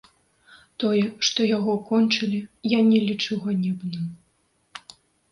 Тое, што яго кончылі, я не лічу ганебным.